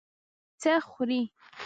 څه خوړې؟